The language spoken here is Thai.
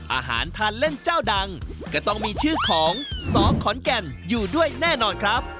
อาหารทานเล่นเจ้าดังก็ต้องมีชื่อของสขอนแก่นอยู่ด้วยแน่นอนครับ